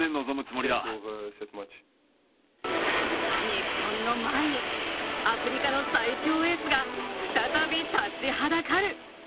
日本の前にアフリカの最強エースが再び立ちはだかる。